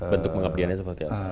bentuk pengaptiannya seperti apa